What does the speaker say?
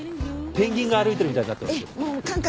ペンギンが歩いてるみたいになってますよ。